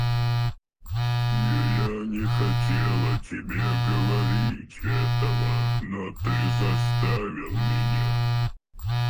Я не хотела тебе говорить этого, но ты заставил меня.